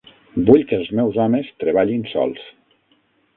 Vull que els meus homes treballin sols.